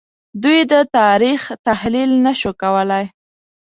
دوی د تاریخ تحلیل نه شو کولای